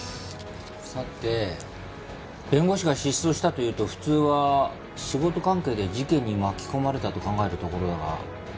さて弁護士が失踪したというと普通は仕事関係で事件に巻き込まれたと考えるところだが。